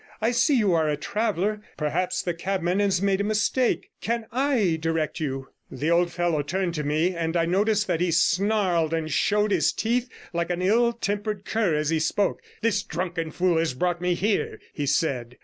I see you are a traveller; perhaps the cabman has made a mistake. Can I direct you?' The old fellow turned to me, and I noticed that he snarled and showed his teeth like an ill tempered cur as he spoke. 'This drunken fool has brought me here,' he said.